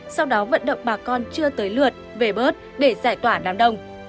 sau đó vận động bà con chưa tới lượt về bớt để giải tỏa đám đông